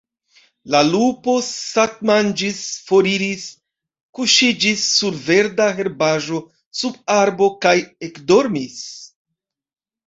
La lupo satmanĝis, foriris, kuŝiĝis sur verda herbaĵo sub arbo kaj ekdormis.